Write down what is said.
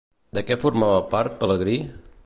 De què formava part Pelegrí?